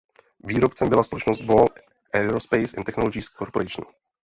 Výrobcem byla společnost Ball Aerospace and Technologies Corporation.